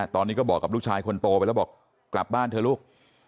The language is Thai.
ตอนนี้ก็บอกกับลูกชายคนโตไปแล้วบอกกลับบ้านเถอะลูก